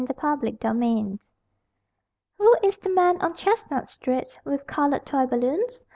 THE BALLOON PEDDLER Who is the man on Chestnut street With colored toy balloons?